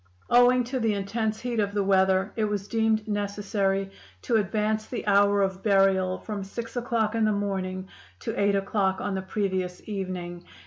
Owing to the intense heat of the weather, it was deemed necessary to advance the hour of burial from 6 o'clock in the morning to 8 o'clock on the previous evening.